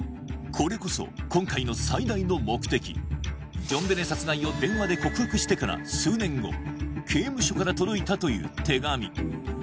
これこそ今回の最大の目的ジョンベネ殺害を電話で告白してから数年後刑務所から届いたという手紙